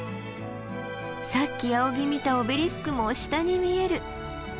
さっき仰ぎ見たオベリスクも下に見える。